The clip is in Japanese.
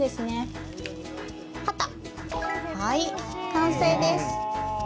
完成です。